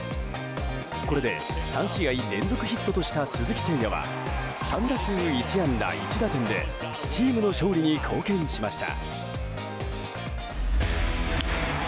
これで３試合連続ヒットとした鈴木誠也は３打数１安打１打点でチームの勝利に貢献しました。